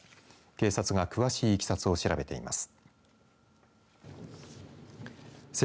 警察が詳しいいきさつを調べています。